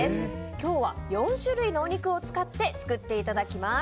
今日は４種類のお肉を使って作っていただきます。